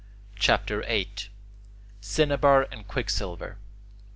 CHAPTER VIII CINNABAR AND QUICKSILVER 1.